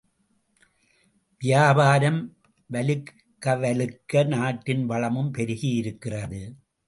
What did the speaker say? வியாபாரம் வலுக்கவலுக்க நாட்டின் வளமும் பெருகியிருக்கிறது.